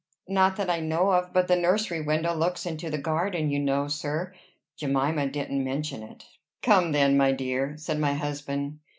"Not that I know of; but the nursery window looks into the garden, you know, sir. Jemima didn't mention it." "Come then, my dear," said my husband.